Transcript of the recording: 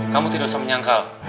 kamu tidak usah menyangkal